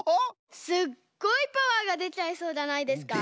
すっごいパワーがでちゃいそうじゃないですか？